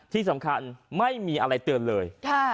ที่สำคัญไม่มีอะไรเตือนเลย